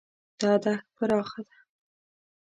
دا دښت پراخه ده.